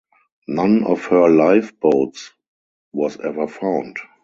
None of her lifeboats was ever found.